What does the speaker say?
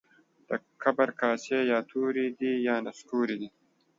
د کبر کاسې يا توري دي يا نسکوري دي.